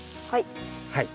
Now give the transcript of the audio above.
はい。